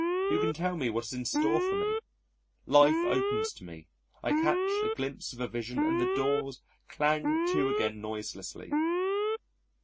Who can tell me what is in store for me?... Life opens to me, I catch a glimpse of a vision, and the doors clang to again noiselessly.